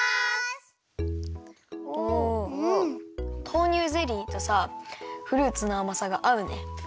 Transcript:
豆乳ゼリーとさフルーツのあまさがあうね。